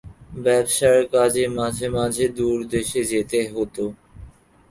ব্যবসার কাজে মাঝে মাঝে দূর দেশে যেতে হত।